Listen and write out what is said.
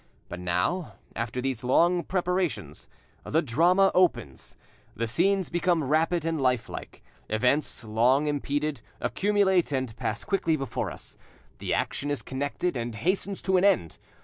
But now, after these long preparations, the drama opens, the scenes become rapid and lifelike; events, long impeded, accumulate and pass quickly before us, the action is connected and hastens to an end.